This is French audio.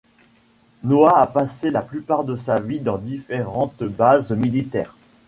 Noah a passé la plupart de sa vie dans différentes bases militaires.